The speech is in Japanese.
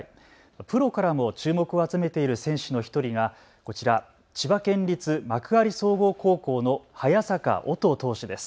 プロからも注目を集めている選手の１人がこちら、千葉県立幕張総合高校の早坂響投手です。